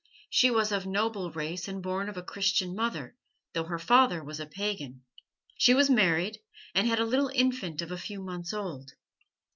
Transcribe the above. "She was of noble race and born of a Christian mother, though her father was a pagan. She was married, and had a little infant of a few months' old.